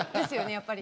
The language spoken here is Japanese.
やっぱり。